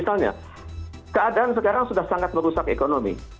misalnya keadaan sekarang sudah sangat merusak ekonomi